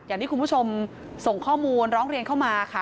อย่างที่คุณผู้ชมส่งข้อมูลร้องเรียนเข้ามาค่ะ